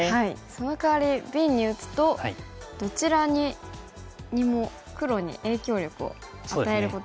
そのかわりＢに打つとどちらにも黒に影響力を与えることができますね。